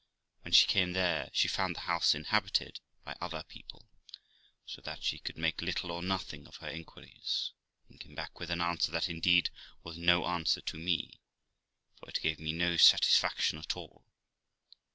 When she came there, she found the house inhabited by other people, so that she could make little or nothing of her inquiries, and came back with an answer that indeed was no answer to me, for it gave me no satisfaction at all.